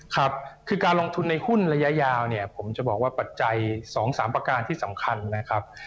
ครับคือการลงทุนในหุ้นระยะยาวเนี่ยผมจะบอกว่าปัจจัย๒๓ประการที่สำคัญนะครับ